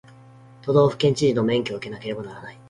都道府県知事の免許を受けなければならない